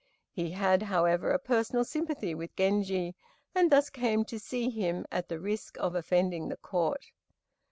He had, however, a personal sympathy with Genji, and thus came to see him, at the risk of offending the Court.